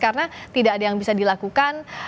karena tidak ada yang bisa dilakukan